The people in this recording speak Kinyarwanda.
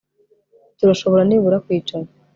Turashobora nibura kwicara